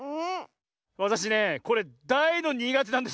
わたしねこれだいのにがてなんですよ。